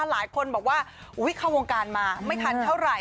หลายคนบอกว่าเข้าวงการมาไม่ทันเท่าไหร่